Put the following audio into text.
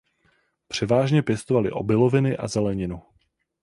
Převážně pěstovali obiloviny a zeleninu.